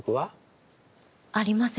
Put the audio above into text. ありません。